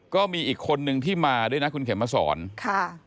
ก็มีอีกคนนึงที่มาด้วยนะคุณเข็มมาสอนค่ะ